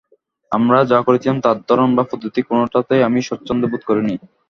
আমরা যা করছিলাম তার ধরন বা পদ্ধতি কোনটাতেই আমি স্বাচ্ছন্দ্য বোধ করিনি।